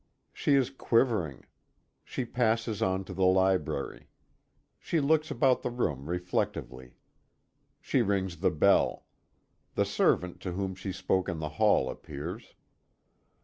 She is quivering. She passes on to the library. She looks about the room reflectively. She rings the bell. The servant to whom she spoke in the hall, appears.